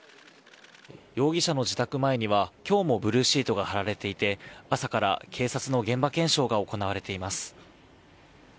容疑者の自宅前には今日もブルーシートが張られていて朝から警察の現場検証が行われています。